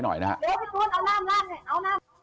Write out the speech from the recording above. หน่อยนะฮะ